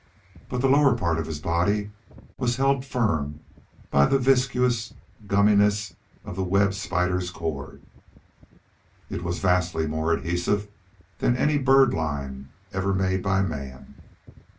But the lower part of his body was held firm by the viscous gumminess of the web spider's cord. It was vastly more adhesive than any bird lime ever made by men.